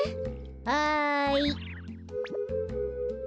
はい。